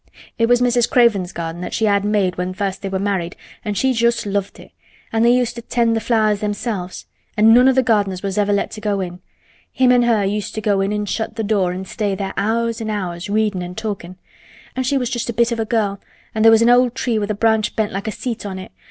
It was Mrs. Craven's garden that she had made when first they were married an' she just loved it, an' they used to 'tend the flowers themselves. An' none o' th' gardeners was ever let to go in. Him an' her used to go in an' shut th' door an' stay there hours an' hours, readin' and talkin'. An' she was just a bit of a girl an' there was an old tree with a branch bent like a seat on it.